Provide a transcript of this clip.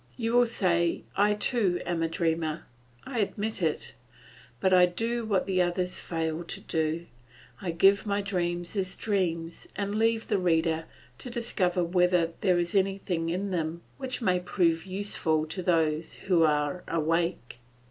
You will say I too am a dreamer; I admit it, but I do what the others fail to do, I give my dreams as dreams, and leave the reader to discover whether there is anything in them which may prove useful to those who are awake.